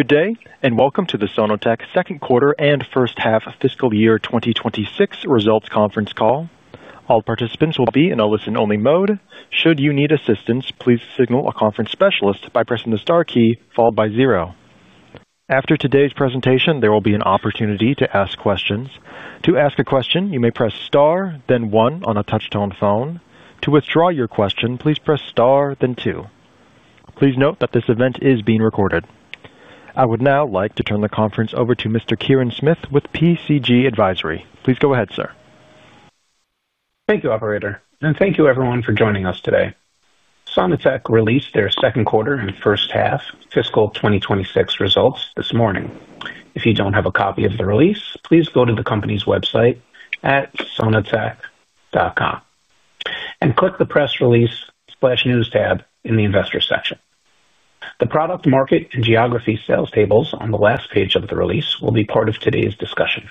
Good day, and welcome to the Sono-Tek Second Quarter and First Half of Fiscal Year 2026 Results Conference Call. All participants will be in a listen-only mode. Should you need assistance, please signal a conference specialist by pressing the star key followed by zero. After today's presentation, there will be an opportunity to ask questions. To ask a question, you may press star, then one on a touch-tone phone. To withdraw your question, please press star, then two. Please note that this event is being recorded. I would now like to turn the conference over to Mr. Kirin Smith with PCG Advisory. Please go ahead, sir. Thank you, Operator, and thank you, everyone, for joining us today. Sono-Tek released their Second Quarter and First Half Fiscal 2026 results this morning. If you don't have a copy of the release, please go to the company's website at sono-tek.com and click the Press Release/News tab in the Investor section. The product market and geography sales tables on the last page of the release will be part of today's discussion.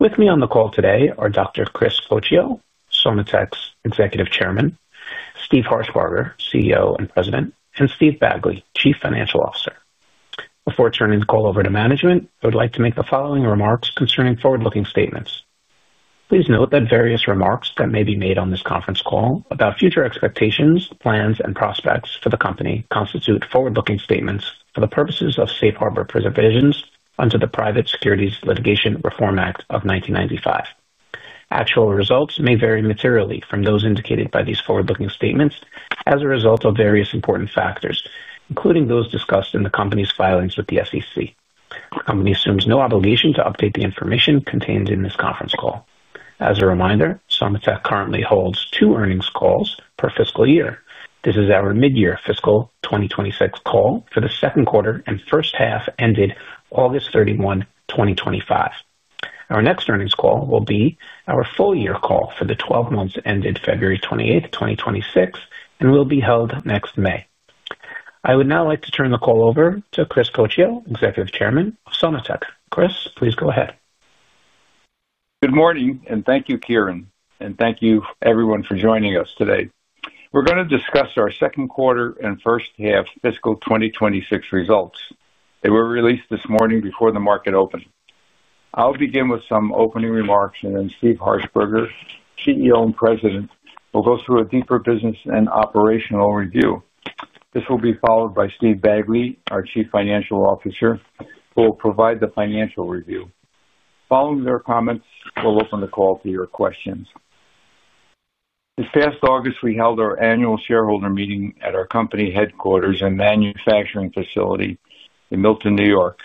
With me on the call today are Dr. Chris Coccio, Sono-Tek's Executive Chairman, Steve Harshbarger, CEO and President, and Steve Bagley, Chief Financial Officer. Before turning the call over to management, I would like to make the following remarks concerning forward-looking statements. Please note that various remarks that may be made on this conference call about future expectations, plans, and prospects for the company constitute forward-looking statements for the purposes of safe harbor provisions under the Private Securities Litigation Reform Act of 1995. Actual results may vary materially from those indicated by these forward-looking statements as a result of various important factors, including those discussed in the company's filings with the SEC. The company assumes no obligation to update the information contained in this conference call. As a reminder, Sono-Tek currently holds two earnings calls per fiscal year. This is our mid-year fiscal 2026 call for the second quarter and first half ended August 31, 2025. Our next earnings call will be our full-year call for the 12 months ended February 28, 2026, and will be held next May. I would now like to turn the call over to Chris Coccio, Executive Chairman of Sono-Tek. Chris, please go ahead. Good morning, and thank you, Kirin, and thank you, everyone, for joining us today. We're going to discuss our Second Quarter and First Half Fiscal 2026 results. They were released this morning before the market opened. I'll begin with some opening remarks, and then Steve Harshbarger, CEO and President, will go through a deeper business and operational review. This will be followed by Steve Bagley, our Chief Financial Officer, who will provide the financial review. Following their comments, we'll open the call to your questions. This past August, we held our annual shareholder meeting at our company headquarters and manufacturing facility in Milton, New York.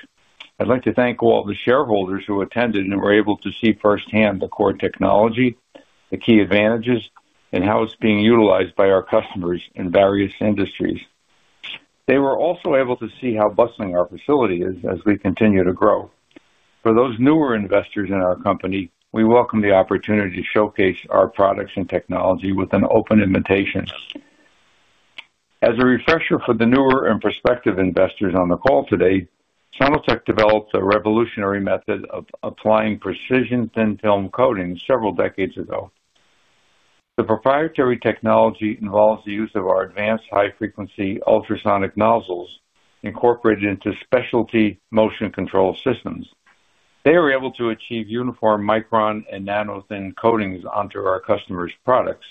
I'd like to thank all the shareholders who attended and were able to see firsthand the core technology, the key advantages, and how it's being utilized by our customers in various industries. They were also able to see how bustling our facility is as we continue to grow. For those newer investors in our company, we welcome the opportunity to showcase our products and technology with an open invitation. As a refresher for the newer and prospective investors on the call today, Sono-Tek developed a revolutionary method of applying precision thin film coatings several decades ago. The proprietary technology involves the use of our advanced high-frequency ultrasonic nozzles incorporated into specialty motion control systems. They are able to achieve uniform micron and nano-thin coatings onto our customers' products.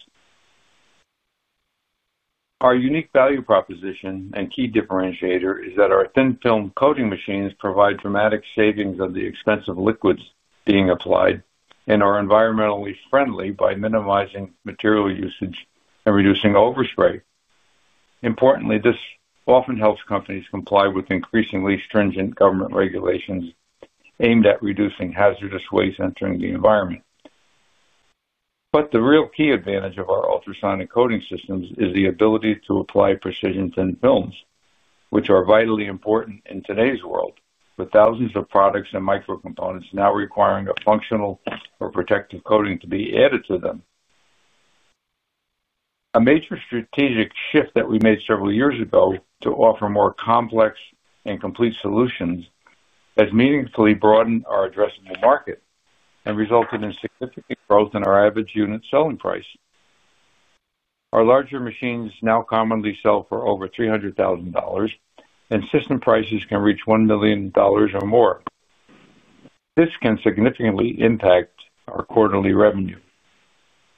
Our unique value proposition and key differentiator is that our thin film coating machines provide dramatic savings on the expensive liquids being applied and are environmentally friendly by minimizing material usage and reducing overspray. Importantly, this often helps companies comply with increasingly stringent government regulations aimed at reducing hazardous waste entering the environment. But the real key advantage of our ultrasonic coating systems is the ability to apply precision thin films, which are vitally important in today's world, with thousands of products and micro-components now requiring a functional or protective coating to be added to them. A major strategic shift that we made several years ago to offer more complex and complete solutions has meaningfully broadened our addressable market and resulted in significant growth in our average unit selling price. Our larger machines now commonly sell for over $300,000, and system prices can reach $1 million or more. This can significantly impact our quarterly revenue.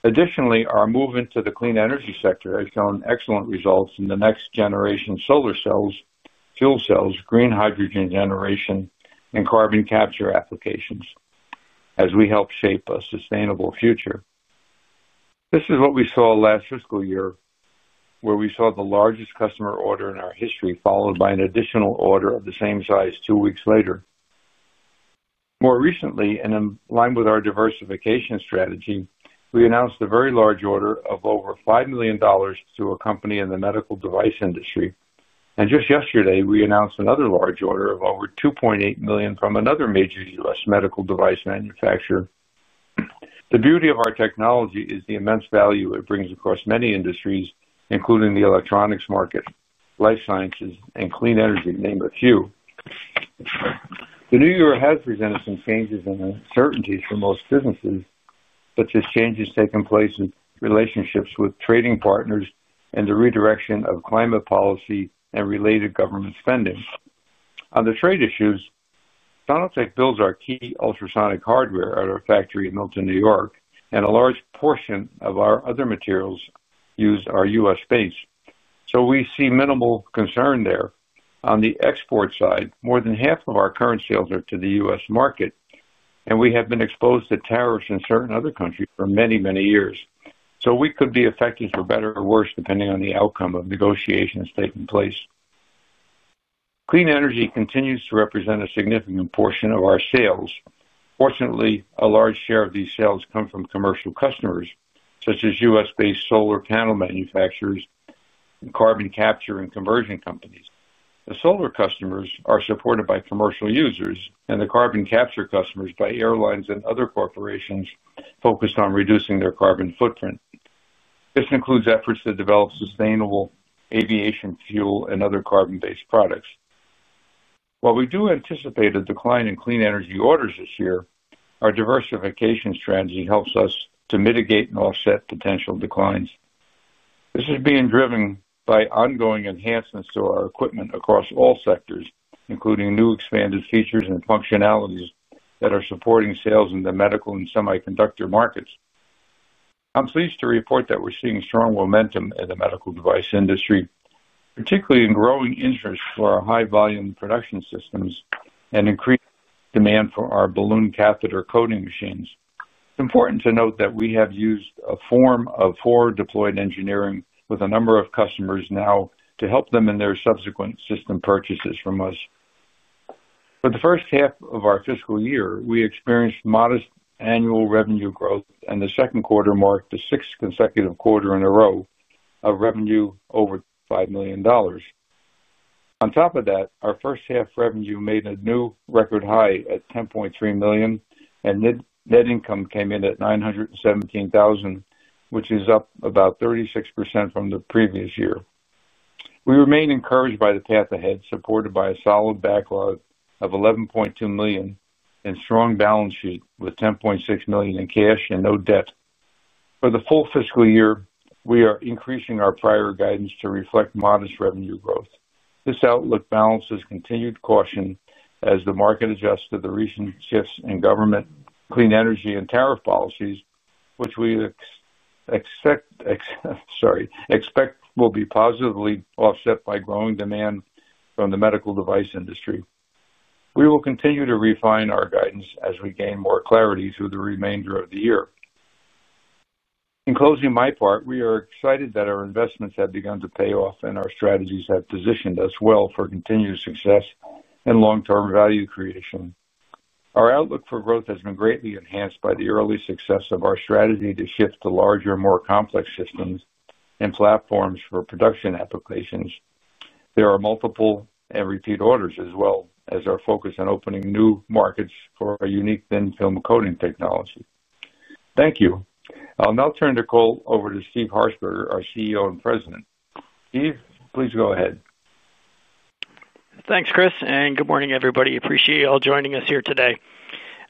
Additionally, our movement to the clean energy sector has shown excellent results in the next generation solar cells, fuel cells, green hydrogen generation, and carbon capture applications as we help shape a sustainable future. This is what we saw last fiscal year, where we saw the largest customer order in our history, followed by an additional order of the same size two weeks later. More recently, and in line with our diversification strategy, we announced a very large order of over $5 million to a company in the medical device industry. And just yesterday, we announced another large order of over $2.8 million from another major U.S. medical device manufacturer. The beauty of our technology is the immense value it brings across many industries, including the electronics market, life sciences, and clean energy, to name a few. The new year has presented some changes and uncertainties for most businesses, but these changes take place in relationships with trading partners and the redirection of climate policy and related government spending. On the trade issues, Sono-Tek builds our key ultrasonic hardware at our factory in Milton, New York, and a large portion of our other materials use our U.S. base. So we see minimal concern there. On the export side, more than half of our current sales are to the U.S. market, and we have been exposed to tariffs in certain other countries for many, many years. So we could be affected for better or worse, depending on the outcome of negotiations taking place. Clean energy continues to represent a significant portion of our sales. Fortunately, a large share of these sales come from commercial customers such as U.S.-based solar panel manufacturers and carbon capture and conversion companies. The solar customers are supported by commercial users, and the carbon capture customers by airlines and other corporations focused on reducing their carbon footprint. This includes efforts to develop sustainable aviation fuel and other carbon-based products. While we do anticipate a decline in clean energy orders this year, our diversification strategy helps us to mitigate and offset potential declines. This is being driven by ongoing enhancements to our equipment across all sectors, including new expanded features and functionalities that are supporting sales in the medical and semiconductor markets. I'm pleased to report that we're seeing strong momentum in the medical device industry, particularly in growing interest for our high-volume production systems and increased demand for our balloon catheter coating machines. It's important to note that we have used a form of forward-deployed engineering with a number of customers now to help them in their subsequent system purchases from us. For the first half of our fiscal year, we experienced modest annual revenue growth, and the second quarter marked the sixth consecutive quarter in a row of revenue over $5 million. On top of that, our first half revenue made a new record high at $10.3 million, and net income came in at $917,000, which is up about 36% from the previous year. We remain encouraged by the path ahead, supported by a solid backlog of $11.2 million and strong balance sheet with $10.6 million in cash and no debt. For the full fiscal year, we are increasing our prior guidance to reflect modest revenue growth. This outlook balances continued caution as the market adjusts to the recent shifts in government, clean energy, and tariff policies, which we expect will be positively offset by growing demand from the medical device industry. We will continue to refine our guidance as we gain more clarity through the remainder of the year. In closing my part, we are excited that our investments have begun to pay off, and our strategies have positioned us well for continued success and long-term value creation. Our outlook for growth has been greatly enhanced by the early success of our strategy to shift to larger, more complex systems and platforms for production applications. There are multiple and repeat orders, as well as our focus on opening new markets for a unique thin film coating technology. Thank you. I'll now turn the call over to Steve Harshbarger, our CEO and President. Steve, please go ahead. Thanks, Chris, and good morning, everybody. Appreciate you all joining us here today.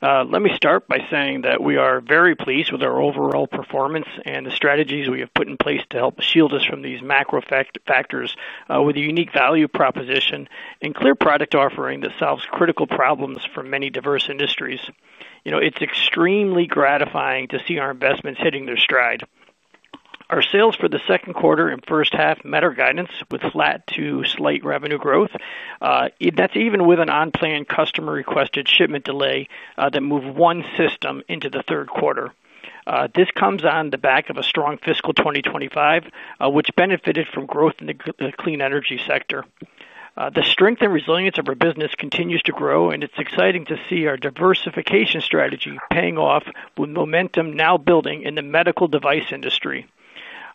Let me start by saying that we are very pleased with our overall performance and the strategies we have put in place to help shield us from these macro factors with a unique value proposition and clear product offering that solves critical problems for many diverse industries. It's extremely gratifying to see our investments hitting their stride. Our sales for the second quarter and first half met our guidance with flat to slight revenue growth. That's even with an on-planned customer-requested shipment delay that moved one system into the third quarter. This comes on the back of a strong fiscal 2025, which benefited from growth in the clean energy sector. The strength and resilience of our business continues to grow, and it's exciting to see our diversification strategy paying off with momentum now building in the medical device industry.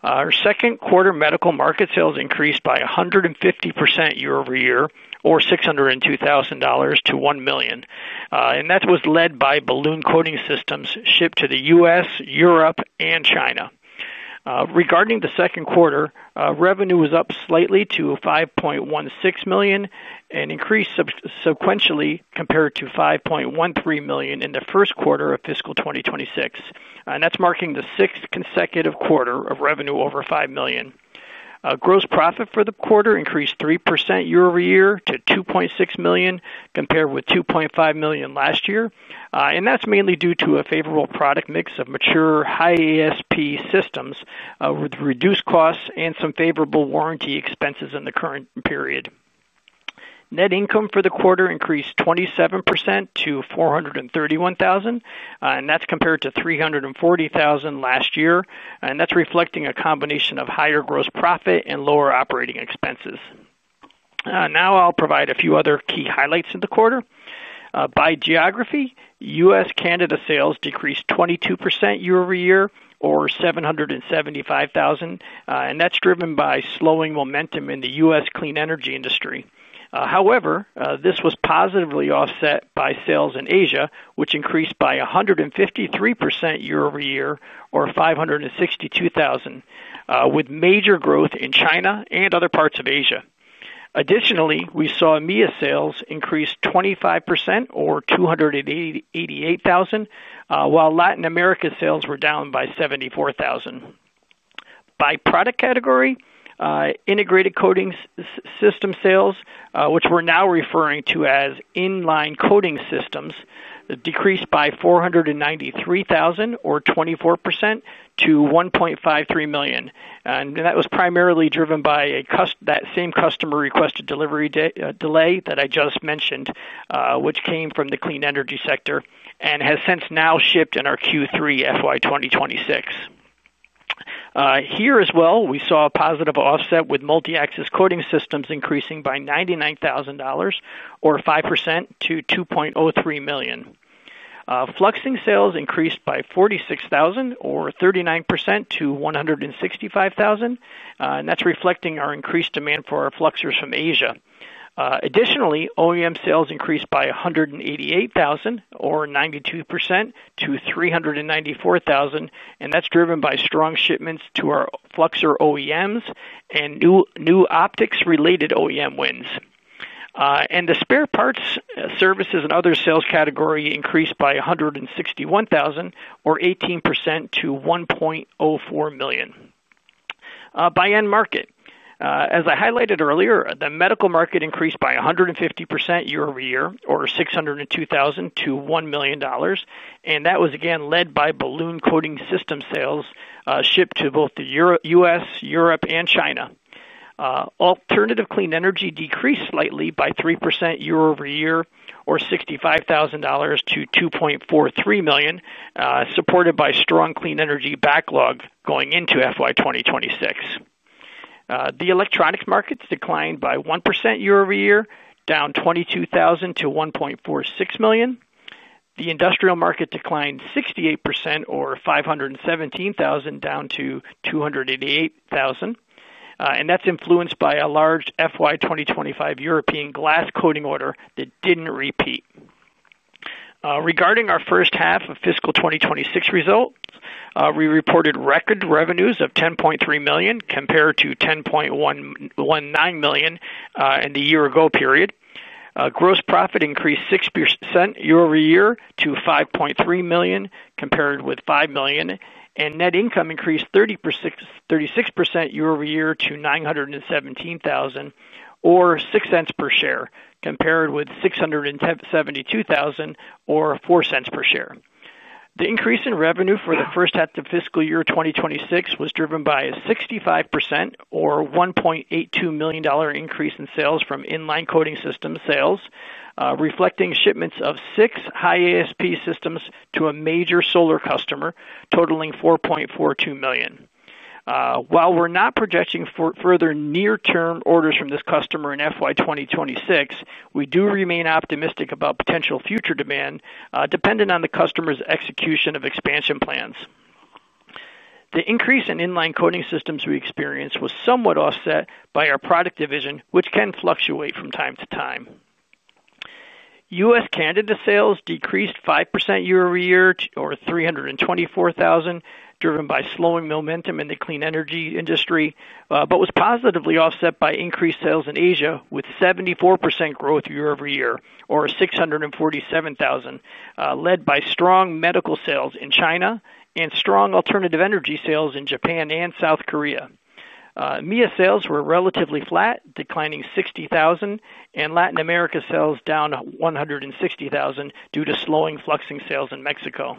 Our second quarter medical market sales increased by 150% year over year, or $602,000 to $1 million. That was led by balloon coating systems shipped to the U.S., Europe, and China. Regarding the second quarter, revenue was up slightly to $5.16 million and increased subsequently compared to $5.13 million in the first quarter of fiscal 2026. That's marking the sixth consecutive quarter of revenue over $5 million. Gross profit for the quarter increased 3% year over year to $2.6 million compared with $2.5 million last year. That's mainly due to a favorable product mix of mature high-ASP systems with reduced costs and some favorable warranty expenses in the current period. Net income for the quarter increased 27% to $431,000, and that's compared to $340,000 last year. And that's reflecting a combination of higher gross profit and lower operating expenses. Now I'll provide a few other key highlights of the quarter. By geography, U.S.-Canada sales decreased 22% year over year, or $775,000. And that's driven by slowing momentum in the U.S. clean energy industry. However, this was positively offset by sales in Asia, which increased by 153% year over year, or $562,000, with major growth in China and other parts of Asia. Additionally, we saw EMEA sales increase 25%, or $288,000, while Latin America sales were down by $74,000. By product category, integrated coating system sales, which we're now referring to as inline coating systems, decreased by $493,000, or 24%, to $1.53 million. And that was primarily driven by that same customer-requested delay that I just mentioned, which came from the clean energy sector and has since now shipped in our Q3 FY 2026. Here as well, we saw a positive offset with multi-axis coating systems increasing by $99,000, or 5%, to $2.03 million. Fluxing sales increased by $46,000, or 39%, to $165,000. And that's reflecting our increased demand for our fluxers from Asia. Additionally, OEM sales increased by $188,000, or 92%, to $394,000. And that's driven by strong shipments to our fluxer OEMs and new optics-related OEM wins. And the spare parts, services, and other sales category increased by $161,000, or 18%, to $1.04 million. By end market, as I highlighted earlier, the medical market increased by 150% year over year, or $602,000, to $1 million. That was again led by balloon coating system sales shipped to both the U.S., Europe, and China. Alternative clean energy decreased slightly by 3% year over year, or $65,000, to $2.43 million, supported by strong clean energy backlog going into FY 2026. The electronics markets declined by 1% year over year, down $22,000, to $1.46 million. The industrial market declined 68%, or $517,000, down to $288,000. And that's influenced by a large FY 2025 European glass coating order that didn't repeat. Regarding our first half of fiscal 2026 results, we reported record revenues of $10.3 million compared to $10.19 million in the year ago period. Gross profit increased 6% year over year to $5.3 million compared with $5 million. And net income increased 36% year over year to $917,000, or $0.06 per share, compared with $672,000, or $0.04 per share. The increase in revenue for the first half of fiscal year 2026 was driven by a 65%, or $1.82 million increase in sales from inline coating system sales, reflecting shipments of six high-ASP systems to a major solar customer totaling $4.42 million. While we're not projecting further near-term orders from this customer in FY 2026, we do remain optimistic about potential future demand depending on the customer's execution of expansion plans. The increase in inline coating systems we experienced was somewhat offset by our product division, which can fluctuate from time to time. U.S.-Canada sales decreased 5% year over year, or $324,000, driven by slowing momentum in the clean energy industry, but was positively offset by increased sales in Asia with 74% growth year over year, or $647,000, led by strong medical sales in China and strong alternative energy sales in Japan and South Korea. MEA sales were relatively flat, declining $60,000, and Latin America sales down $160,000 due to slowing fluxing sales in Mexico.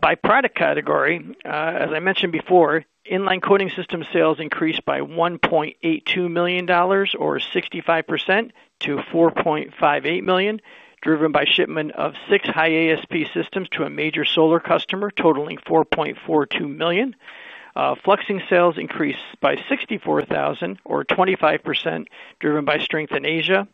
By product category, as I mentioned before, inline coating system sales increased by $1.82 million, or 65%, to $4.58 million, driven by shipment of six high-ASP systems to a major solar customer totaling $4.42 million. Fluxing sales increased by $64,000, or 25%, driven by strength in Asia.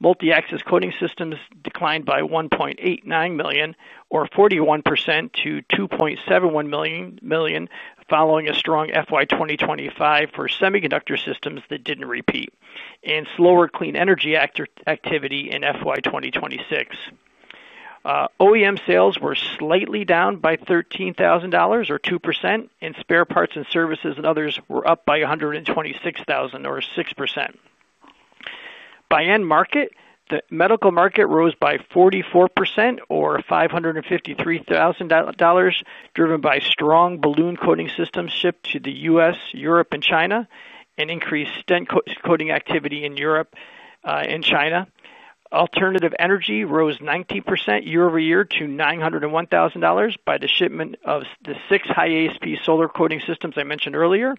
Multi-axis coating systems declined by $1.89 million, or 41%, to $2.71 million following a strong FY 2025 for semiconductor systems that didn't repeat and slower clean energy activity in FY 2026. OEM sales were slightly down by $13,000, or 2%, and spare parts and services and others were up by $126,000, or 6%. By end market, the medical market rose by 44%, or $553,000, driven by strong balloon coating systems shipped to the U.S., Europe, and China, and increased stent coating activity in Europe and China. Alternative energy rose 90% year over year to $901,000 by the shipment of the six high-ASP solar coating systems I mentioned earlier.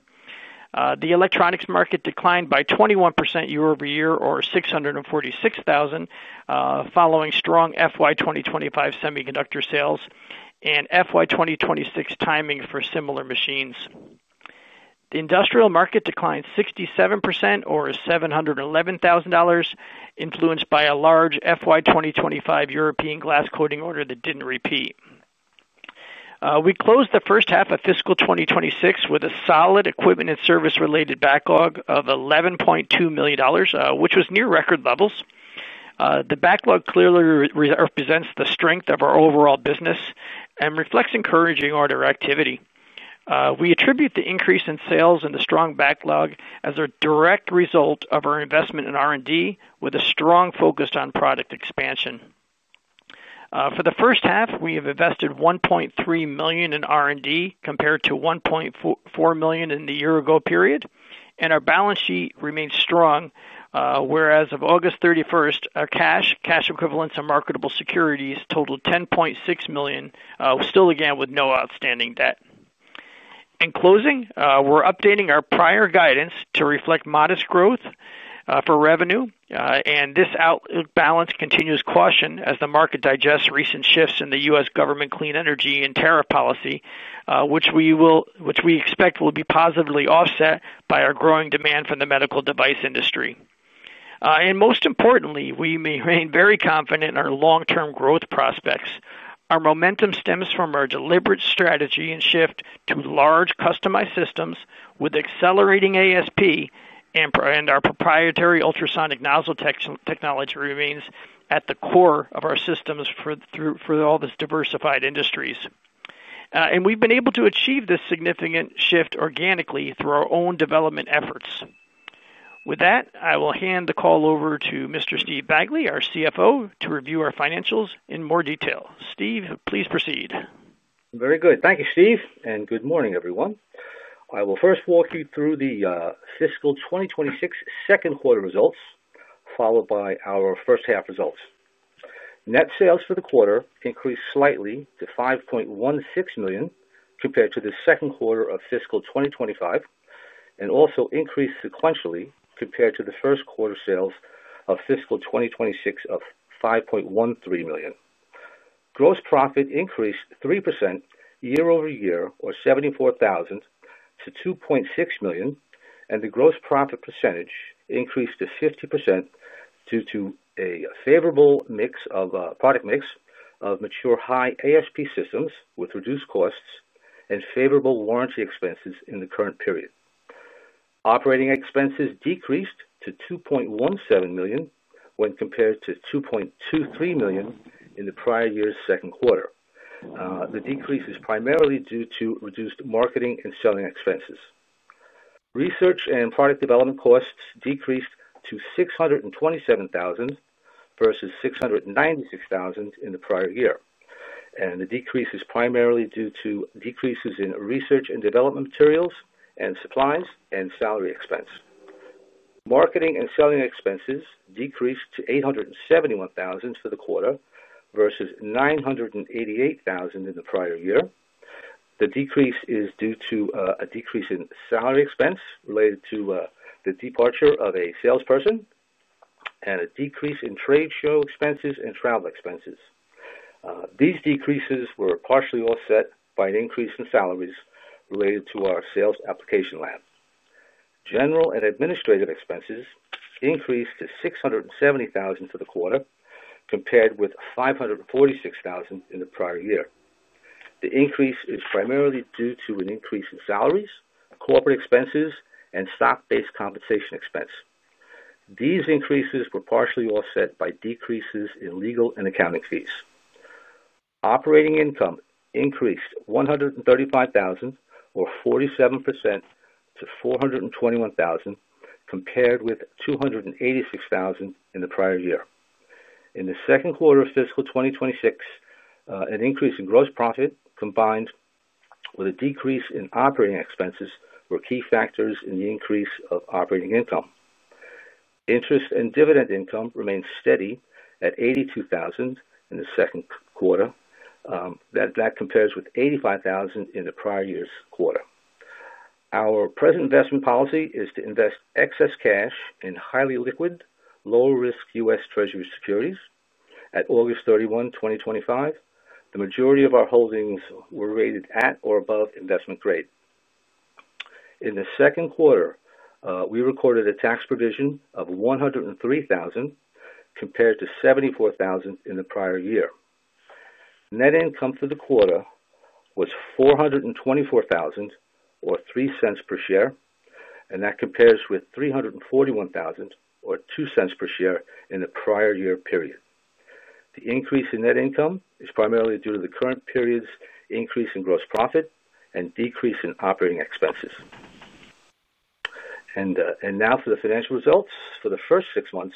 The electronics market declined by 21% year over year, or $646,000, following strong FY 2025 semiconductor sales and FY 2026 timing for similar machines. The industrial market declined 67%, or $711,000, influenced by a large FY 2025 European glass coating order that didn't repeat. We closed the first half of fiscal 2026 with a solid equipment and service-related backlog of $11.2 million, which was near record levels. The backlog clearly represents the strength of our overall business and reflects encouraging order activity. We attribute the increase in sales and the strong backlog as a direct result of our investment in R&D with a strong focus on product expansion. For the first half, we have invested $1.3 million in R&D compared to $1.4 million in the year ago period, and our balance sheet remains strong, as of August 31st, our cash, cash equivalents, and marketable securities totaled $10.6 million, still again with no outstanding debt. In closing, we're updating our prior guidance to reflect modest growth for revenue, and this outlook balance continues caution as the market digests recent shifts in the U.S. government clean energy and tariff policy, which we expect will be positively offset by our growing demand from the medical device industry, and most importantly, we remain very confident in our long-term growth prospects. Our momentum stems from our deliberate strategy and shift to large customized systems with accelerating ASP, and our proprietary ultrasonic nozzle technology remains at the core of our systems for all these diversified industries. And we've been able to achieve this significant shift organically through our own development efforts. With that, I will hand the call over to Mr. Steve Bagley, our CFO, to review our financials in more detail. Steve, please proceed. Very good. Thank you, Steve. Good morning, everyone. I will first walk you through the fiscal 2026 second quarter results, followed by our first half results. Net sales for the quarter increased slightly to $5.16 million compared to the second quarter of fiscal 2025, and also increased sequentially compared to the first quarter sales of fiscal 2026 of $5.13 million. Gross profit increased 3% year over year, or $74,000, to $2.6 million, and the gross profit percentage increased to 50% due to a favorable mix of product mix of mature high-ASP systems with reduced costs and favorable warranty expenses in the current period. Operating expenses decreased to $2.17 million when compared to $2.23 million in the prior year's second quarter. The decrease is primarily due to reduced marketing and selling expenses. Research and product development costs decreased to $627,000 versus $696,000 in the prior year. The decrease is primarily due to decreases in research and development materials and supplies and salary expense. Marketing and selling expenses decreased to $871,000 for the quarter versus $988,000 in the prior year. The decrease is due to a decrease in salary expense related to the departure of a salesperson and a decrease in trade show expenses and travel expenses. These decreases were partially offset by an increase in salaries related to our sales application lab. General and administrative expenses increased to $670,000 for the quarter compared with $546,000 in the prior year. The increase is primarily due to an increase in salaries, corporate expenses, and stock-based compensation expense. These increases were partially offset by decreases in legal and accounting fees. Operating income increased $135,000, or 47%, to $421,000 compared with $286,000 in the prior year. In the second quarter of fiscal 2026, an increase in gross profit combined with a decrease in operating expenses were key factors in the increase of operating income. Interest and dividend income remained steady at $82,000 in the second quarter. That compares with $85,000 in the prior year's quarter. Our present investment policy is to invest excess cash in highly liquid, low-risk U.S. Treasury securities. At August 31, 2025, the majority of our holdings were rated at or above investment grade. In the second quarter, we recorded a tax provision of $103,000 compared to $74,000 in the prior year. Net income for the quarter was $424,000, or $0.03 per share, and that compares with $341,000, or $0.02 per share in the prior year period. The increase in net income is primarily due to the current period's increase in gross profit and decrease in operating expenses. Now for the financial results for the first six months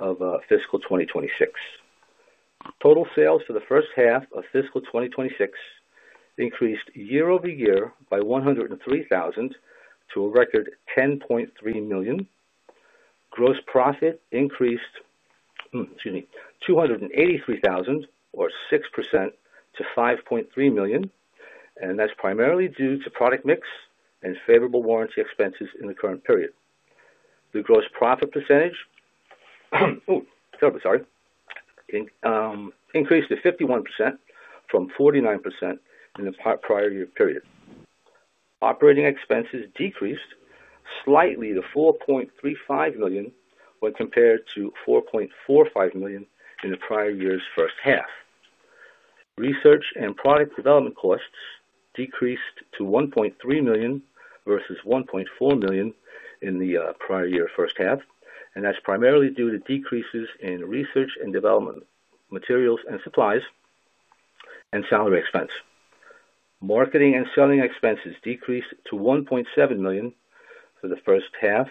of fiscal 2026. Total sales for the first half of fiscal 2026 increased year over year by $103,000 to a record $10.3 million. Gross profit increased, excuse me, $283,000, or 6%, to $5.3 million. That's primarily due to product mix and favorable warranty expenses in the current period. The gross profit percentage increased to 51% from 49% in the prior year period. Operating expenses decreased slightly to $4.35 million when compared to $4.45 million in the prior year's first half. Research and product development costs decreased to $1.3 million versus $1.4 million in the prior year first half. That's primarily due to decreases in research and development materials and supplies and salary expense. Marketing and selling expenses decreased to $1.7 million for the first half,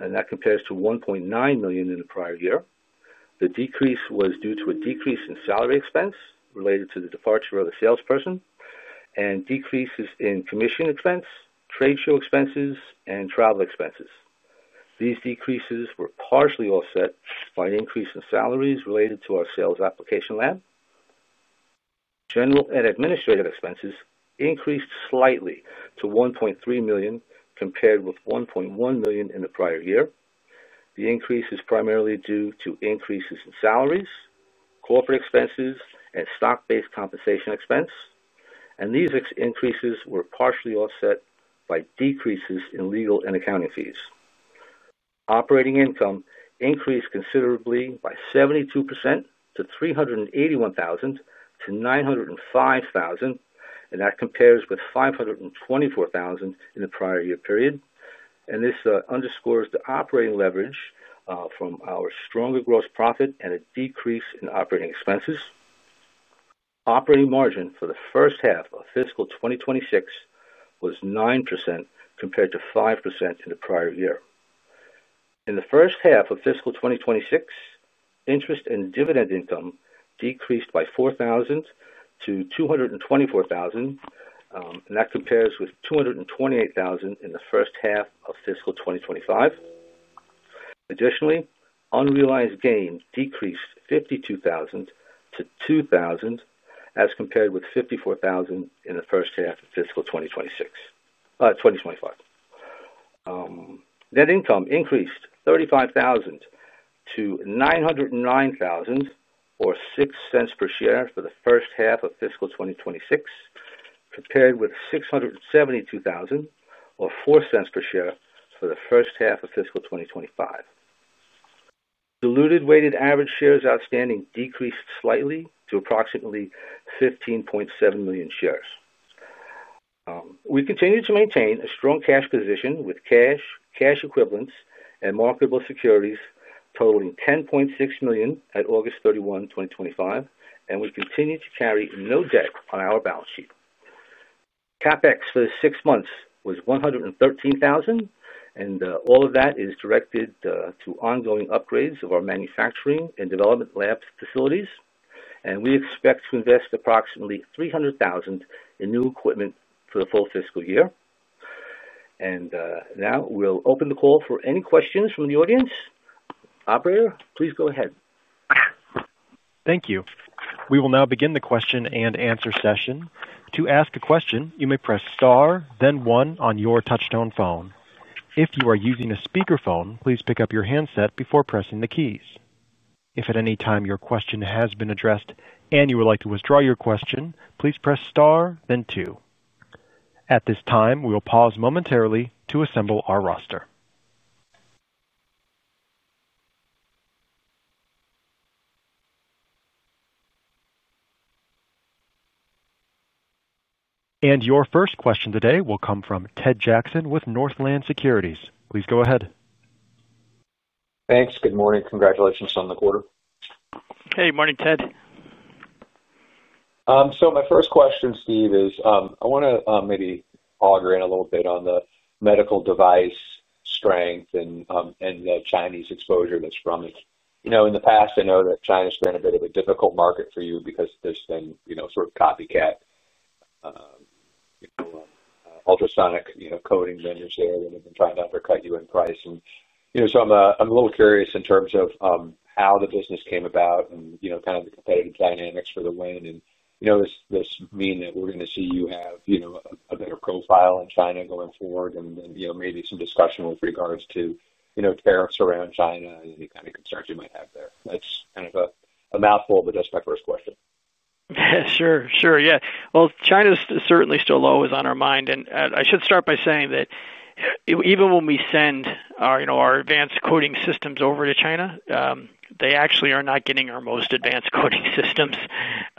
and that compares to $1.9 million in the prior year. The decrease was due to a decrease in salary expense related to the departure of a salesperson and decreases in commission expense, trade show expenses, and travel expenses. These decreases were partially offset by an increase in salaries related to our sales application lab. General and administrative expenses increased slightly to $1.3 million compared with $1.1 million in the prior year. The increase is primarily due to increases in salaries, corporate expenses, and stock-based compensation expense. These increases were partially offset by decreases in legal and accounting fees. Operating income increased considerably by 72% to $381,000 to $905,000, and that compares with $524,000 in the prior year period. This underscores the operating leverage from our stronger gross profit and a decrease in operating expenses. Operating margin for the first half of fiscal 2026 was 9% compared to 5% in the prior year. In the first half of fiscal 2026, interest and dividend income decreased by $4,000 to $224,000, and that compares with $228,000 in the first half of fiscal 2025. Additionally, unrealized gain decreased $52,000 to $2,000 as compared with $54,000 in the first half of fiscal 2025. Net income increased $35,000 to $909,000, or $0.06 per share for the first half of fiscal 2026, compared with $672,000, or $0.04 per share for the first half of fiscal 2025. Diluted weighted average shares outstanding decreased slightly to approximately 15.7 million shares. We continue to maintain a strong cash position with cash, cash equivalents, and marketable securities totaling $10.6 million at August 31, 2025, and we continue to carry no debt on our balance sheet. CapEx for the six months was $113,000, and all of that is directed to ongoing upgrades of our manufacturing and development lab facilities. And we expect to invest approximately $300,000 in new equipment for the full fiscal year. And now we'll open the call for any questions from the audience. Operator, please go ahead. Thank you. We will now begin the question and answer session. To ask a question, you may press star, then one on your touch-tone phone. If you are using a speakerphone, please pick up your handset before pressing the keys. If at any time your question has been addressed and you would like to withdraw your question, please press star, then two. At this time, we will pause momentarily to assemble our roster, and your first question today will come from Ted Jackson with Northland Securities. Please go ahead. Thanks. Good morning. Congratulations on the quarter. Hey, morning, Ted. So my first question, Steve, is I want to maybe wade in a little bit on the medical device strength and the Chinese exposure that's from it. You know, in the past, I know that China has been a bit of a difficult market for you because there have been, you know, sort of copycat, you know, ultrasonic, you know, coating vendors there that have been trying to undercut you in price. And, you know, so I am a little curious in terms of how the business came about and, you know, kind of the competitive dynamics for the win. And, you know, does this mean that we are going to see you have, you know, a better profile in China going forward and, you know, maybe some discussion with regards to, you know, tariffs around China and any kind of concerns you might have there? That's kind of a mouthful, but that's my first question. Sure, sure. Yeah. Well, China's certainly still always on our mind, and I should start by saying that even when we send our, you know, our advanced coating systems over to China, they actually are not getting our most advanced coating systems.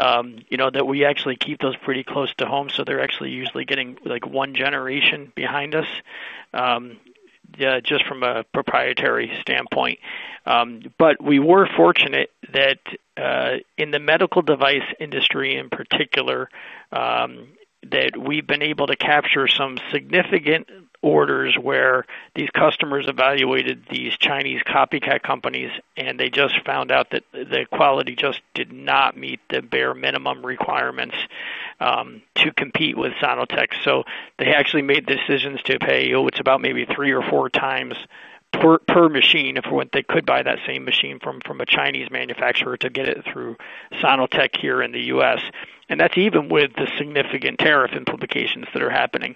You know, that we actually keep those pretty close to home, so they're actually usually getting like one generation behind us just from a proprietary standpoint, but we were fortunate that in the medical device industry in particular, that we've been able to capture some significant orders where these customers evaluated these Chinese copycat companies, and they just found out that the quality just did not meet the bare minimum requirements to compete with Sono-Tek. So they actually made decisions to pay, you know, it's about maybe three or four times per machine if they could buy that same machine from a Chinese manufacturer to get it through Sono-Tek here in the U.S. And that's even with the significant tariff implications that are happening.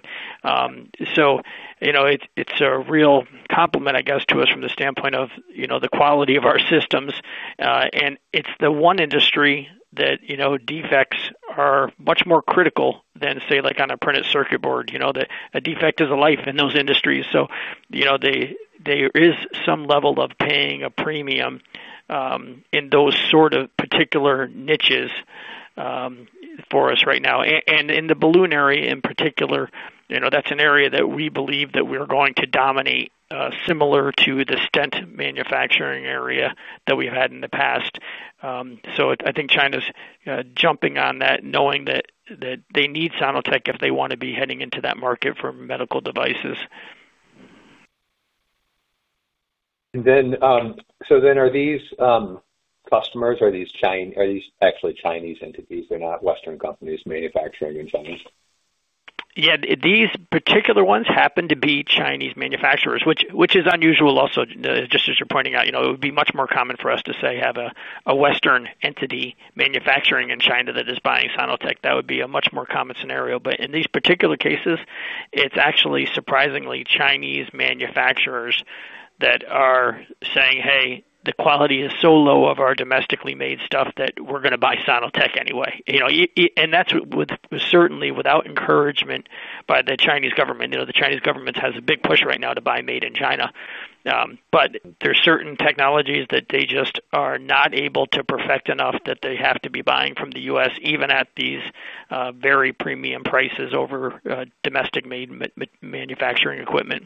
So, you know, it's a real compliment, I guess, to us from the standpoint of, you know, the quality of our systems. And it's the one industry that, you know, defects are much more critical than, say, like on a printed circuit board. You know, a defect is a life in those industries. So, you know, there is some level of paying a premium in those sort of particular niches for us right now. And in the balloon area in particular, you know, that's an area that we believe that we're going to dominate, similar to the stent manufacturing area that we've had in the past. So I think China's jumping on that, knowing that they need Sono-Tek if they want to be heading into that market for medical devices. Are these customers Chinese? Are these actually Chinese entities? They're not Western companies manufacturing in China? Yeah, these particular ones happen to be Chinese manufacturers, which is unusual also, just as you're pointing out. You know, it would be much more common for us to say have a Western entity manufacturing in China that is buying Sono-Tek. That would be a much more common scenario. But in these particular cases, it's actually surprisingly Chinese manufacturers that are saying, "Hey, the quality is so low of our domestically made stuff that we're going to buy Sono-Tek anyway." You know, and that's certainly without encouragement by the Chinese government. You know, the Chinese government has a big push right now to buy made in China. But there are certain technologies that they just are not able to perfect enough that they have to be buying from the U.S., even at these very premium prices over domestic made manufacturing equipment.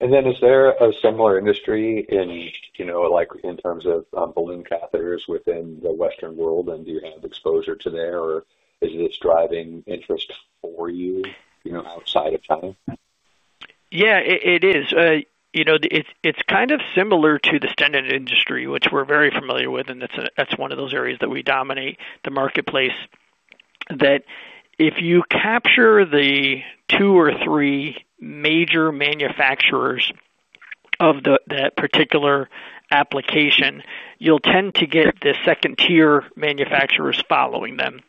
Is there a similar industry in, you know, like in terms of balloon catheters within the Western world? And do you have exposure to there, or is this driving interest for you, you know, outside of China? Yeah, it is. You know, it's kind of similar to the stent industry, which we're very familiar with, and that's one of those areas that we dominate the marketplace, that if you capture the two or three major manufacturers of that particular application, you'll tend to get the second-tier manufacturers following them.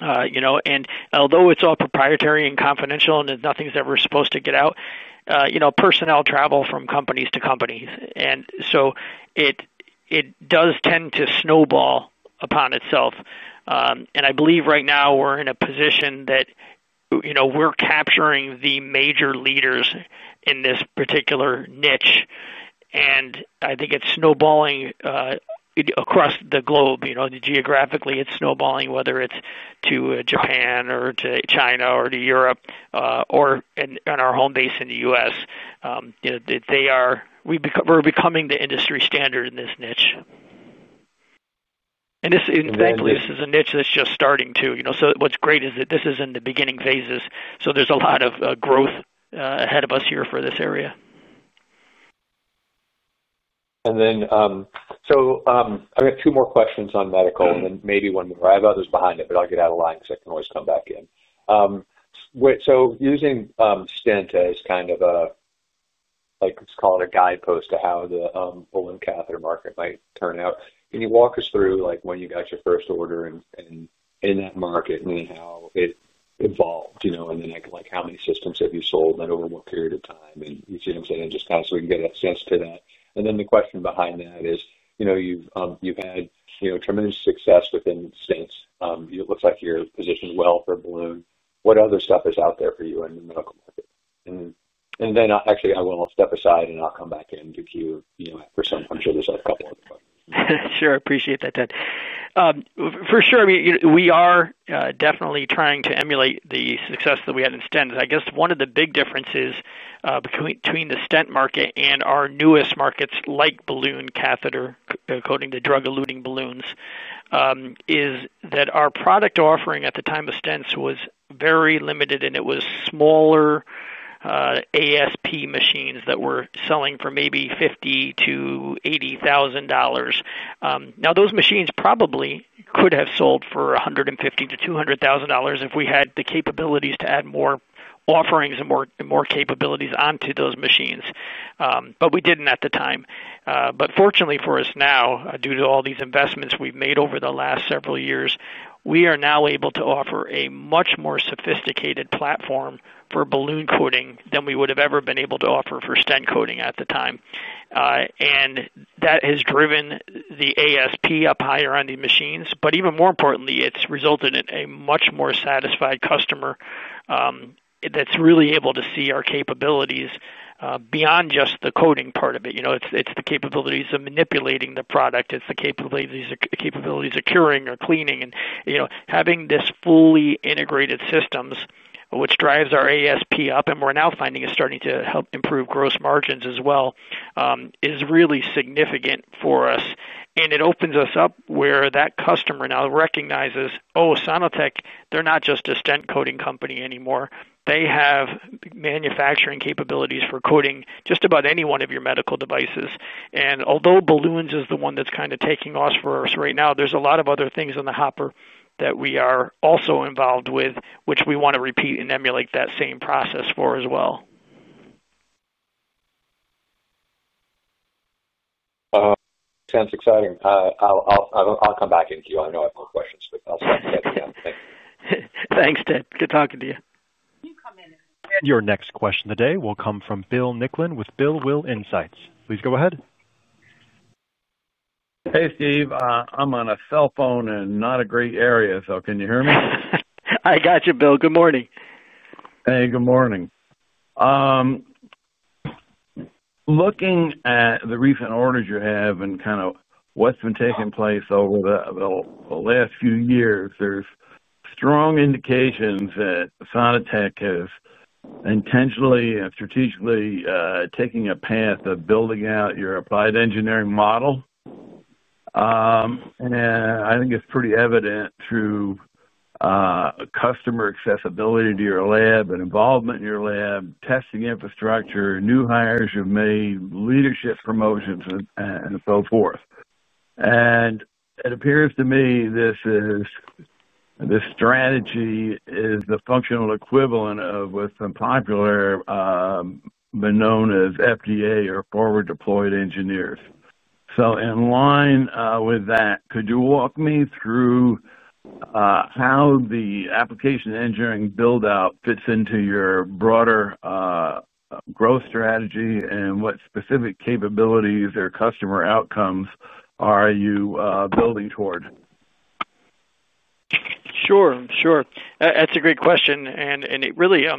You know, and although it's all proprietary and confidential and nothing's ever supposed to get out, you know, personnel travel from companies to companies. And so it does tend to snowball upon itself. And I believe right now we're in a position that, you know, we're capturing the major leaders in this particular niche. And I think it's snowballing across the globe. You know, geographically, it's snowballing, whether it's to Japan or to China or to Europe or on our home base in the U.S. You know, they are, we're becoming the industry standard in this niche. Thankfully, this is a niche that's just starting to, you know, so what's great is that this is in the beginning phases. So there's a lot of growth ahead of us here for this area. I've got two more questions on medical, and then maybe one more. I have others behind it, but I'll get out of line because I can always come back in. Using stent as kind of a, like let's call it a guidepost to how the balloon catheter market might turn out, can you walk us through like when you got your first order and in that market and how it evolved, you know, and then like how many systems have you sold in that over what period of time? And you see what I'm saying? Just kind of so we can get a sense to that. And then the question behind that is, you know, you've had, you know, tremendous success within stents. It looks like you're positioned well for balloon. What other stuff is out there for you in the medical market? And then actually, I will step aside and I'll come back in to queue for some questions. There's a couple of other questions. Sure. Appreciate that, Ted. For sure. We are definitely trying to emulate the success that we had in stent. I guess one of the big differences between the stent market and our newest markets, like balloon catheter coating, the drug-eluting balloons, is that our product offering at the time of stents was very limited, and it was smaller ASP machines that were selling for maybe $50,000-$80,000. Now, those machines probably could have sold for $150,000-$200,000 if we had the capabilities to add more offerings and more capabilities onto those machines. But we didn't at the time. But fortunately for us now, due to all these investments we've made over the last several years, we are now able to offer a much more sophisticated platform for balloon coating than we would have ever been able to offer for stent coating at the time. And that has driven the ASP up higher on these machines. But even more importantly, it's resulted in a much more satisfied customer that's really able to see our capabilities beyond just the coating part of it. You know, it's the capabilities of manipulating the product. It's the capabilities of curing or cleaning. And, you know, having this fully integrated systems, which drives our ASP up, and we're now finding is starting to help improve gross margins as well, is really significant for us. And it opens us up where that customer now recognizes, "Oh, Sono-Tek, they're not just a stent coating company anymore. They have manufacturing capabilities for coating just about any one of your medical devices, and although balloons is the one that's kind of taking off for us right now, there's a lot of other things in the hopper that we are also involved with, which we want to repeat and emulate that same process for as well. Sounds exciting. I'll come back to you. I know I have more questions, but I'll stop at that. Thanks. Thanks, Ted. Good talking to you. Your next question today will come from Bill Nicklin with Bill Will Insights. Please go ahead. Hey, Steve. I'm on a cell phone in not a great area, so can you hear me? I got you, Bill. Good morning. Hey, good morning. Looking at the recent orders you have and kind of what's been taking place over the last few years, there's strong indications that Sono-Tek is intentionally and strategically taking a path of building out your applied engineering model. And I think it's pretty evident through customer accessibility to your lab and involvement in your lab, testing infrastructure, new hires you've made, leadership promotions, and so forth. And it appears to me this strategy is the functional equivalent of what's been popular, been known as FDE or forward-deployed engineers. So in line with that, could you walk me through how the application engineering build-out fits into your broader growth strategy and what specific capabilities or customer outcomes are you building toward? Sure, sure. That's a great question, and it really, I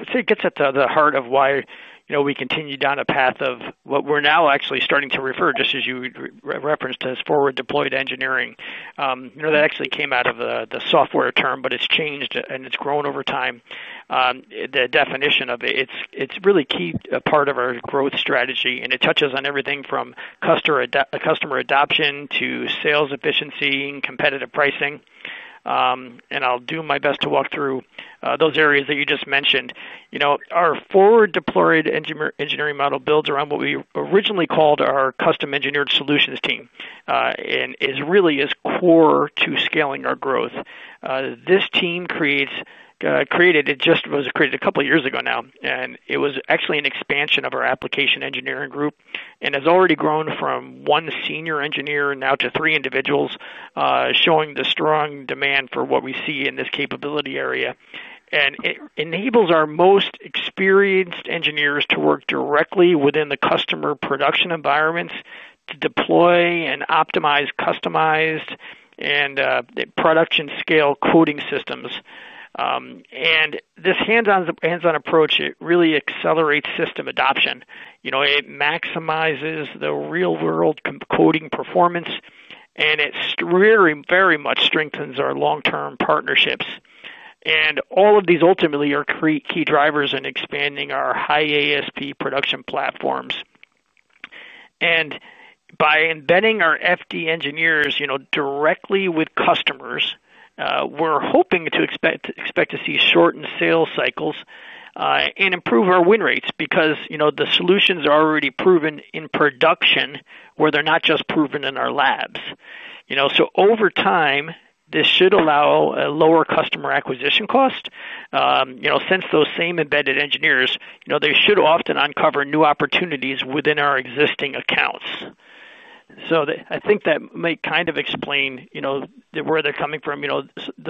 would say, it gets at the heart of why, you know, we continue down a path of what we're now actually starting to refer, just as you referenced, as forward-deployed engineering. You know, that actually came out of the software term, but it's changed and it's grown over time. The definition of it, it's really key part of our growth strategy, and it touches on everything from customer adoption to sales efficiency and competitive pricing, and I'll do my best to walk through those areas that you just mentioned. You know, our forward-deployed engineering model builds around what we originally called our custom engineered solutions team and is really core to scaling our growth. It just was created a couple of years ago now, and it was actually an expansion of our application engineering group and has already grown from one senior engineer now to three individuals, showing the strong demand for what we see in this capability area. And it enables our most experienced engineers to work directly within the customer production environments to deploy and optimize customized and production-scale coating systems. And this hands-on approach, it really accelerates system adoption. You know, it maximizes the real-world coating performance, and it really very much strengthens our long-term partnerships. And all of these ultimately are key drivers in expanding our high ASP production platforms. By embedding our FDE engineers, you know, directly with customers, we're hoping to expect to see shortened sales cycles and improve our win rates because, you know, the solutions are already proven in production where they're not just proven in our labs. You know, so over time, this should allow a lower customer acquisition cost. You know, since those same embedded engineers, you know, they should often uncover new opportunities within our existing accounts. So I think that might kind of explain, you know, where they're coming from. You know,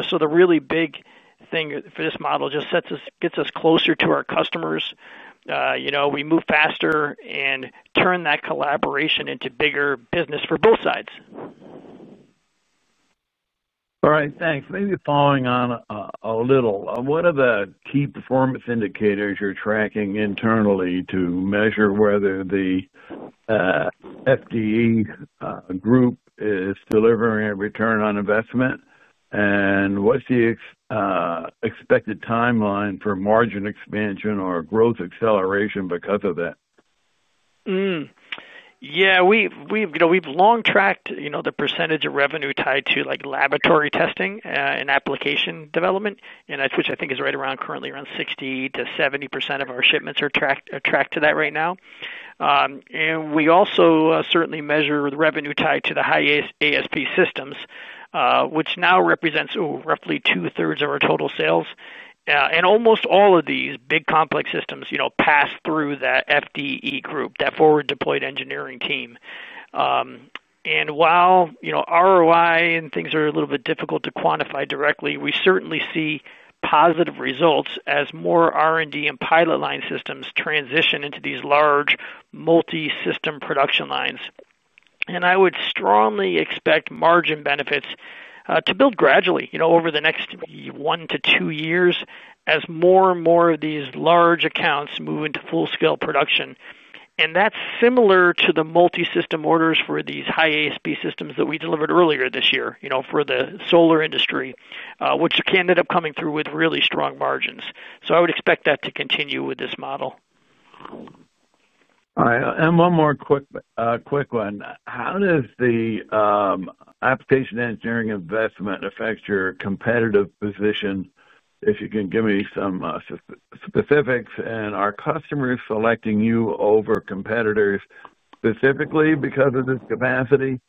so the really big thing for this model just gets us closer to our customers. You know, we move faster and turn that collaboration into bigger business for both sides. All right. Thanks. Maybe following on a little, what are the key performance indicators you're tracking internally to measure whether the FDE group is delivering a return on investment? And what's the expected timeline for margin expansion or growth acceleration because of that? Yeah, we've long tracked, you know, the percentage of revenue tied to like laboratory testing and application development, which I think is right around currently around 60%-70% of our shipments are tracked to that right now. And we also certainly measure the revenue tied to the high ASP systems, which now represents roughly two-thirds of our total sales. And almost all of these big complex systems, you know, pass through that FDE group, that forward-deployed engineering team. And while, you know, ROI and things are a little bit difficult to quantify directly, we certainly see positive results as more R&D and pilot line systems transition into these large multi-system production lines. And I would strongly expect margin benefits to build gradually, you know, over the next one to two years as more and more of these large accounts move into full-scale production. That's similar to the multi-system orders for these high ASP systems that we delivered earlier this year, you know, for the solar industry, which can end up coming through with really strong margins. I would expect that to continue with this model. All right. And one more quick one. How does the application engineering investment affect your competitive position? If you can give me some specifics and are customers selecting you over competitors specifically because of this capacity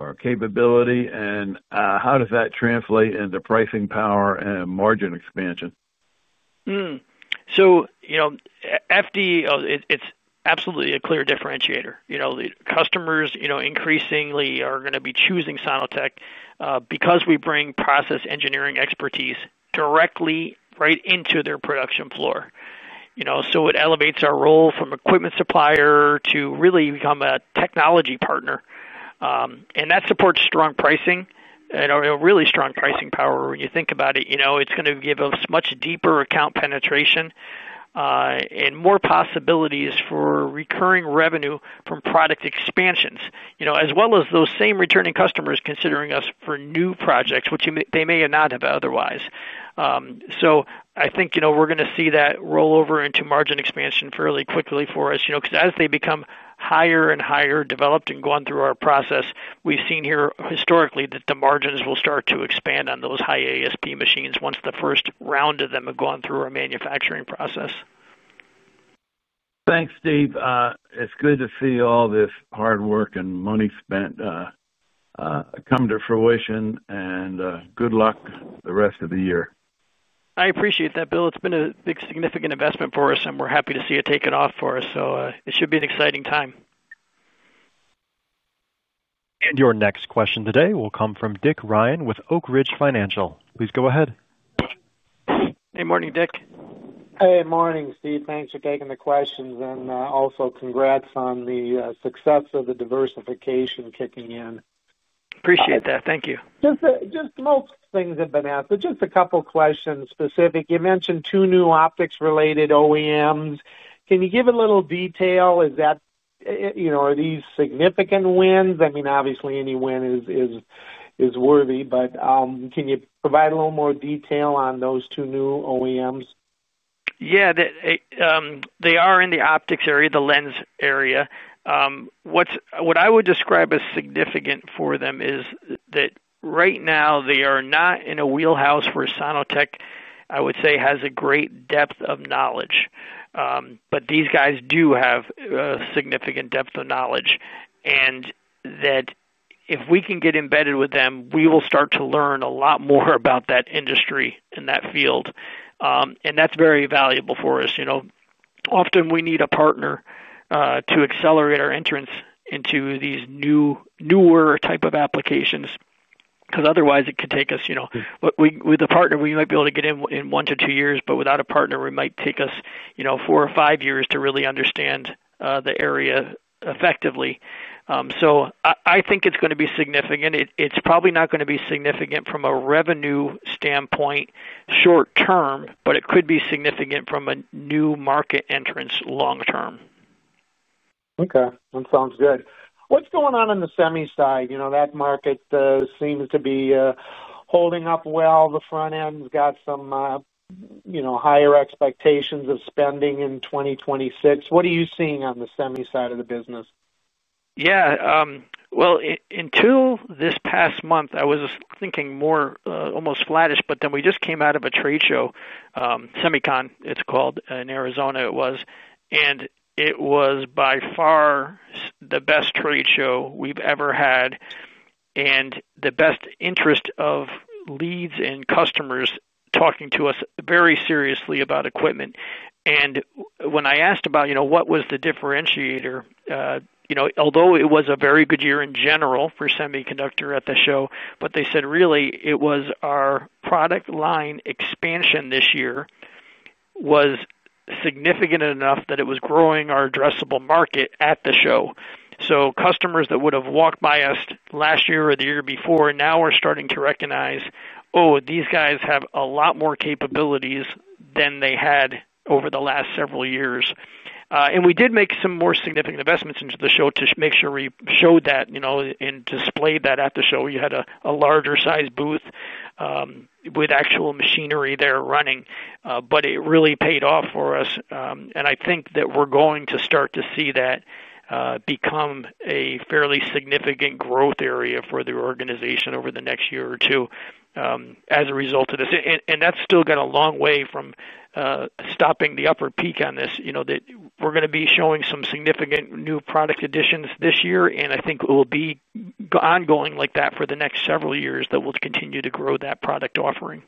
or capability? And how does that translate into pricing power and margin expansion? You know, FDE, it's absolutely a clear differentiator. You know, customers, you know, increasingly are going to be choosing Sono-Tek because we bring process engineering expertise directly right into their production floor. You know, so it elevates our role from equipment supplier to really become a technology partner. And that supports strong pricing and a really strong pricing power when you think about it. You know, it's going to give us much deeper account penetration and more possibilities for recurring revenue from product expansions, you know, as well as those same returning customers considering us for new projects, which they may not have otherwise. So I think, you know, we're going to see that roll over into margin expansion fairly quickly for us, you know, because as they become higher and higher developed and going through our process, we've seen here historically that the margins will start to expand on those high ASP machines once the first round of them have gone through our manufacturing process. Thanks, Steve. It's good to see all this hard work and money spent come to fruition, and good luck the rest of the year. I appreciate that, Bill. It's been a big significant investment for us, and we're happy to see it taken off for us. So it should be an exciting time. Your next question today will come from Dick Ryan with Oak Ridge Financial. Please go ahead. Hey, morning, Dick. Hey, morning, Steve. Thanks for taking the questions and also congrats on the success of the diversification kicking in. Appreciate that. Thank you. Just most things have been asked, but just a couple of questions specific. You mentioned two new optics-related OEMs. Can you give a little detail? Is that, you know, are these significant wins? I mean, obviously any win is worthy, but can you provide a little more detail on those two new OEMs? Yeah, they are in the optics area, the lens area. What I would describe as significant for them is that right now they are not in a wheelhouse where Sono-Tek, I would say, has a great depth of knowledge. But these guys do have a significant depth of knowledge and that if we can get embedded with them, we will start to learn a lot more about that industry and that field. And that's very valuable for us. You know, often we need a partner to accelerate our entrance into these newer types of applications because otherwise it could take us, you know, with a partner, we might be able to get in one to two years, but without a partner, we might take us, you know, four or five years to really understand the area effectively. So I think it's going to be significant. It's probably not going to be significant from a revenue standpoint short term, but it could be significant from a new market entrance long term. Okay. That sounds good. What's going on on the semi side? You know, that market seems to be holding up well. The front end's got some, you know, higher expectations of spending in 2026. What are you seeing on the semi side of the business? Yeah. Well, until this past month, I was thinking more almost flattish, but then we just came out of a trade show, SEMICON, it's called, in Arizona it was. And it was by far the best trade show we've ever had and the best interest of leads and customers talking to us very seriously about equipment. And when I asked about, you know, what was the differentiator, you know, although it was a very good year in general for semiconductor at the show, but they said really it was our product line expansion this year was significant enough that it was growing our addressable market at the show. So customers that would have walked by us last year or the year before now are starting to recognize, oh, these guys have a lot more capabilities than they had over the last several years. We did make some more significant investments into the show to make sure we showed that, you know, and displayed that at the show. We had a larger size booth with actual machinery there running, but it really paid off for us. I think that we're going to start to see that become a fairly significant growth area for the organization over the next year or two as a result of this. That's still got a long way from stopping the upper peak on this. You know, we're going to be showing some significant new product additions this year, and I think it will be ongoing like that for the next several years that we'll continue to grow that product offering.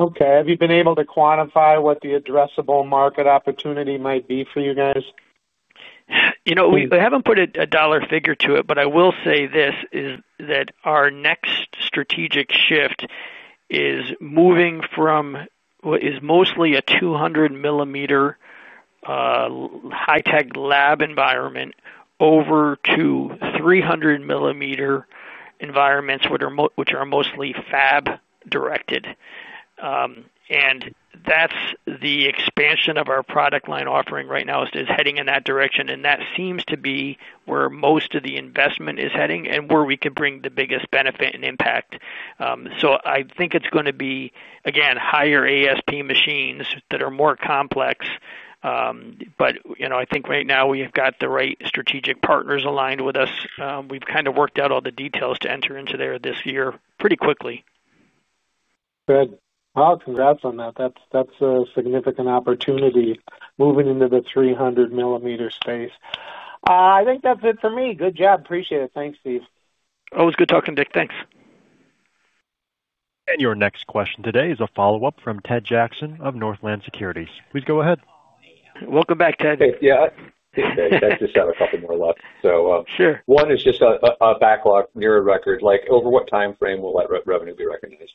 Okay. Have you been able to quantify what the addressable market opportunity might be for you guys? You know, we haven't put a dollar figure to it, but I will say this is that our next strategic shift is moving from what is mostly a 200 millimeter high-tech lab environment over to 300 millimeter environments which are mostly fab directed, and that's the expansion of our product line offering right now is heading in that direction, and that seems to be where most of the investment is heading and where we could bring the biggest benefit and impact, so I think it's going to be, again, higher ASP machines that are more complex, but, you know, I think right now we have got the right strategic partners aligned with us. We've kind of worked out all the details to enter into there this year pretty quickly. Good. Well, congrats on that. That's a significant opportunity moving into the 300 millimeter space. I think that's it for me. Good job. Appreciate it. Thanks, Steve. Always good talking to Dick. Thanks. Your next question today is a follow-up from Ted Jackson of Northland Securities. Please go ahead. Welcome back, Ted. I just have a couple more left. Sure. One is just a backlog near a record. Like, over what time frame will that revenue be recognized?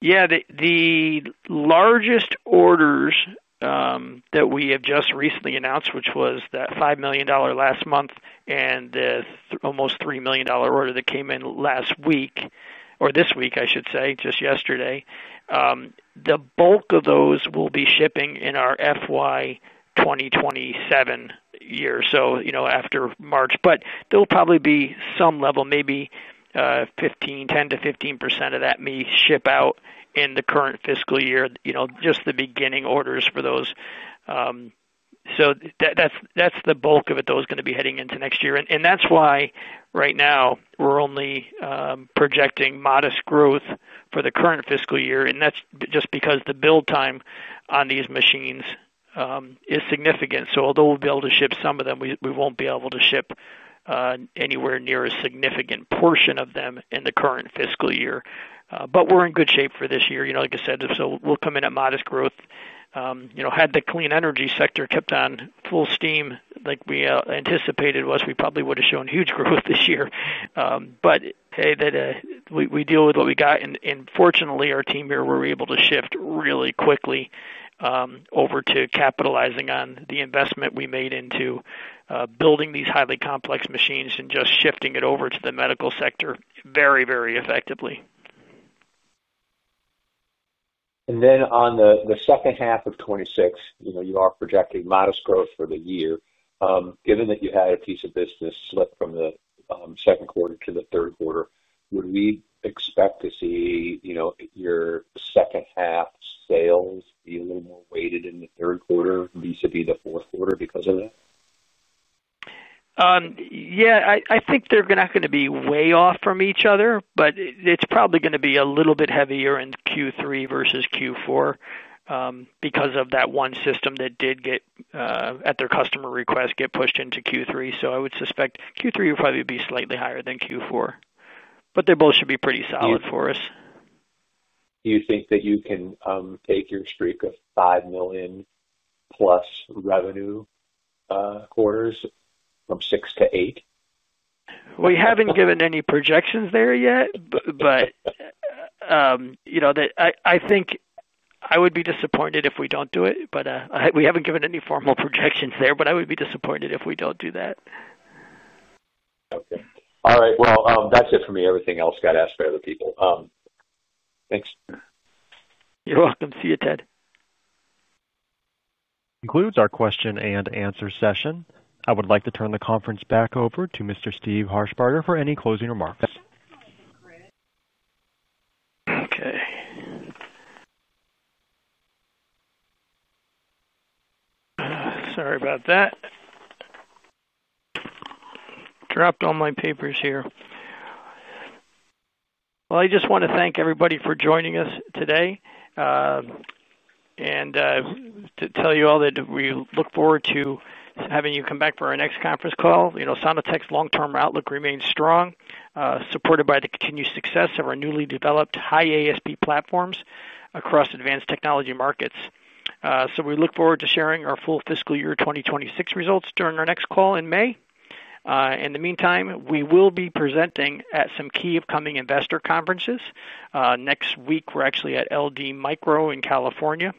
Yeah. The largest orders that we have just recently announced, which was that $5 million last month and the almost $3 million order that came in last week, or this week, I should say, just yesterday, the bulk of those will be shipping in our FY 2027 year. So, you know, after March. But there'll probably be some level, maybe 10%-15% of that may ship out in the current fiscal year, you know, just the beginning orders for those. So that's the bulk of it that was going to be heading into next year. And that's why right now we're only projecting modest growth for the current fiscal year. And that's just because the build time on these machines is significant. So although we'll be able to ship some of them, we won't be able to ship anywhere near a significant portion of them in the current fiscal year. But we're in good shape for this year, you know, like I said. So we'll come in at modest growth. You know, had the clean energy sector kept on full steam like we anticipated, we probably would have shown huge growth this year. But, hey, we deal with what we got. And fortunately, our team here were able to shift really quickly over to capitalizing on the investment we made into building these highly complex machines and just shifting it over to the medical sector very, very effectively. And then on the second half of 2026, you know, you are projecting modest growth for the year. Given that you had a piece of business slip from the second quarter to the third quarter, would we expect to see, you know, your second half sales be a little more weighted in the third quarter vis-à-vis the fourth quarter because of that? Yeah. I think they're not going to be way off from each other, but it's probably going to be a little bit heavier in Q3 versus Q4 because of that one system that did get, at their customer request, get pushed into Q3. So I would suspect Q3 would probably be slightly higher than Q4. But they both should be pretty solid for us. Do you think that you can take your streak of five million-plus revenue quarters from six to eight? We haven't given any projections there yet, but, you know, I think I would be disappointed if we don't do it. But we haven't given any formal projections there, but I would be disappointed if we don't do that. Okay. All right. Well, that's it for me. Everything else got asked by other people. Thanks. You're welcome. See you, Ted. Concludes our question and answer session. I would like to turn the conference back over to Mr. Steve Harshbarger for any closing remarks. Okay. Sorry about that. I dropped all my papers here. I just want to thank everybody for joining us today and to tell you all that we look forward to having you come back for our next conference call. You know, Sono-Tek's long-term outlook remains strong, supported by the continued success of our newly developed high ASP platforms across advanced technology markets. We look forward to sharing our full fiscal year 2026 results during our next call in May. In the meantime, we will be presenting at some key upcoming investor conferences. Next week, we're actually at LD Micro in California.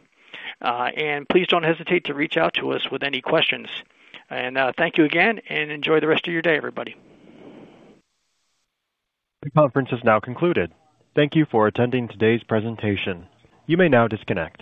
Please don't hesitate to reach out to us with any questions, and thank you again and enjoy the rest of your day, everybody. The conference is now concluded. Thank you for attending today's presentation. You may now disconnect.